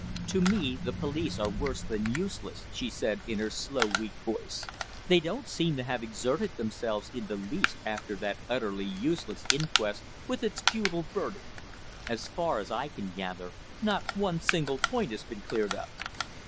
"To me, the police are worse than useless," she said, in her slow, weak voice; "they don't seem to have exerted themselves in the least after that utterly useless inquest, with its futile verdict. As far as I can gather, not one single point has been cleared up."